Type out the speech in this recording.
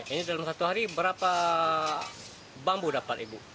ini dalam satu hari berapa bambu dapat ibu